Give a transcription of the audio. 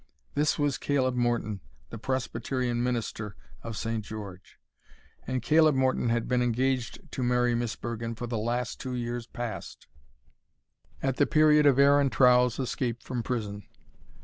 This was Caleb Morton, the Presbyterian minister of St. George; and Caleb Morton had been engaged to marry Miss Bergen for the last two years past, at the period of Aaron Trow's escape from prison.